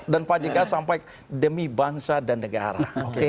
dan pak jk sampai demi bangsa dan negara